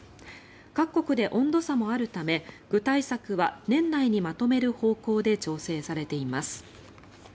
各国で温度差もあるため具体策は年内にまとめる方向で調整されています。